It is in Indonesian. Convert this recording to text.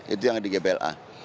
itu yang di gbla